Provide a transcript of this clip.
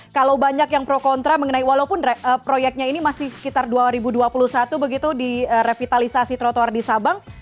kalau banyak yang pro kontra mengenai walaupun proyeknya ini masih sekitar dua ribu dua puluh satu begitu di revitalisasi trotoar di sabang